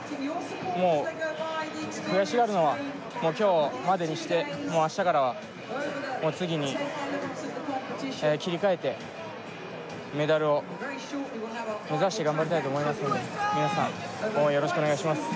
もう悔しがるのは今日までにしてもう明日からは次に切り替えてメダルを目指して頑張りたいと思いますので皆さん応援よろしくお願いします